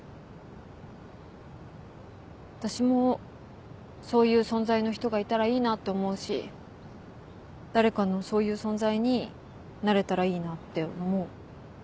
私もそういう存在の人がいたらいいなって思うし誰かのそういう存在になれたらいいなって思う。